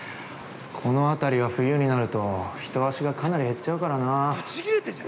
この辺りは冬になると、ひと足がかなり減っちゃうからなあ。